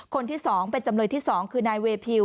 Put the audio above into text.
คนที่สองเป็นจำเลยที่สองคืนายเวร์พิว